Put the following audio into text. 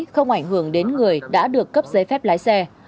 không ảnh hưởng đến người đã được cấp giấy phép lái xe